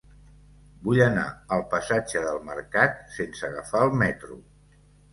Vull anar al passatge del Mercat sense agafar el metro.